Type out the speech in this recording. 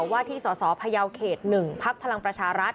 ว่าที่สสพยาวเขต๑พักพลังประชารัฐ